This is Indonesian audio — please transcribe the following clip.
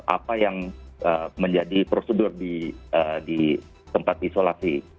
apa yang menjadi prosedur di tempat isolasi